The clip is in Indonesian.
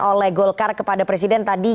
oleh golkar kepada presiden tadi